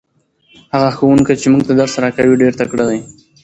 هغه ښوونکی چې موږ ته درس راکوي ډېر تکړه دی.